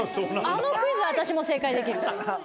あのクイズは私も正解できる。